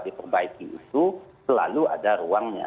diperbaiki itu selalu ada ruangnya